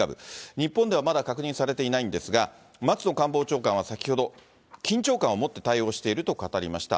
日本ではまだ確認されていないんですが、松野官房長官は先ほど、緊張感を持って対応していると語りました。